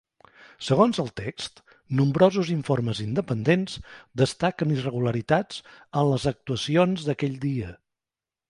Segons el text, nombrosos informes independents destaquen irregularitats en les actuacions d’aquell dia.